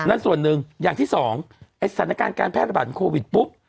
นั่นส่วนหนึ่งอย่างที่สองสถานการณ์การแพร่ระบาดโควิดปุ๊บ